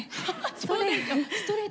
そうなんです。